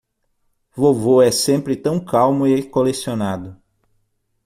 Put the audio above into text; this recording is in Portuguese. Vovô é sempre tão calmo e colecionado.